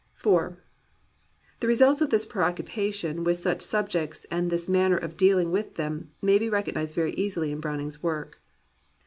IV The results of this preoccupation with such sub jects and of this manner of dealing with them may be recognized very easily in Browning's work.